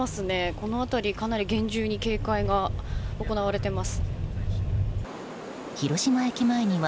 この辺り、かなり厳重に警戒が行われています。